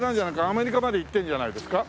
アメリカまで行ってるんじゃないですか？